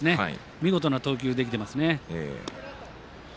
見事な投球ができてますね。